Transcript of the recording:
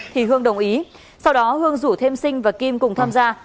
thì hương đồng ý sau đó hương rủ thêm sinh và kim cùng tham gia